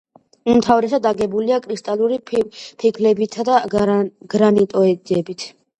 უმთავრესად აგებულია კრისტალური ფიქლებითა და გრანიტოიდებით.